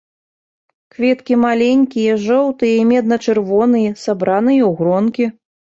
Кветкі маленькія, жоўтыя і медна-чырвоныя, сабраныя ў гронкі.